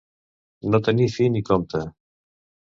No tenir fi ni compte.